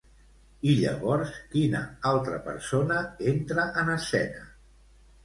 I, llavors, quina altra persona entra en escena?